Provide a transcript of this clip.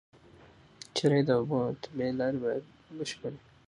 چرۍ او د اوبو طبيعي لاري بايد بشپړي